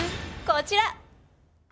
こちら！